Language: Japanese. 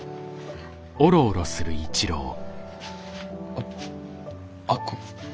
おっあっ。